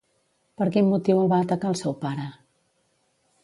Per quin motiu el va atacar el seu pare?